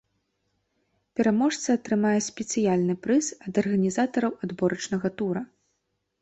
Пераможца атрымае спецыяльны прыз ад арганізатараў адборачнага тура.